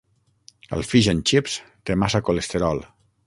El Fish and Chips té massa colesterol.